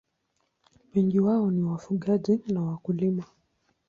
Wengi wao ni wafugaji na wakulima.